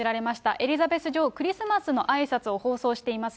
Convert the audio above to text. エリザベス女王、クリスマスのあいさつを放送しています。